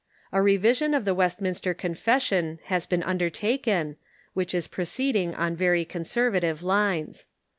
A revis ion of the Westminster Confession has been undertaken, which is proceeding on very conservative lines.